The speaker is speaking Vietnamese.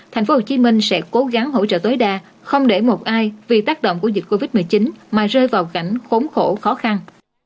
thành phố hồ chí minh sẽ cố gắng hỗ trợ tối đa không để một ai vì tác động của dịch covid một mươi chín mà rơi vào cảnh khốn khổ khó khăn